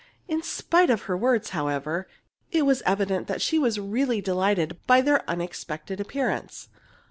In spite of her words, however, it was evident that she was really delighted by their unexpected appearance.